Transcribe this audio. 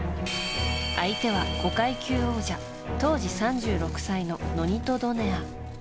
相手は、５階級王者当時３６歳のノニト・ドネア。